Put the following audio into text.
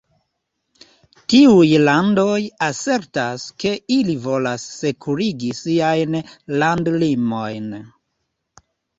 Tiuj landoj asertas ke ili volas sekurigi siajn landlimojn.